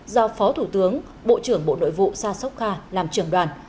do phó thủ tướng bộ trưởng bộ nội vụ sa sokha làm trưởng đoàn